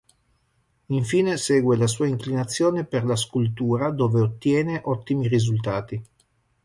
Infine segue la sua inclinazione per la scultura dove ottiene ottimi risultati.